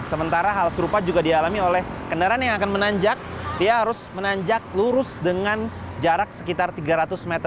sementara hal serupa juga dialami oleh kendaraan yang akan menanjak dia harus menanjak lurus dengan jarak sekitar tiga ratus meter